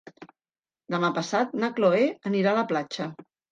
Demà passat na Cloè anirà a la platja.